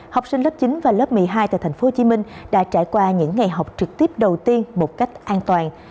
học sinh lớp chín và lớp một mươi hai tại tp hcm đã trải qua những ngày học trực tiếp đầu tiên một cách an toàn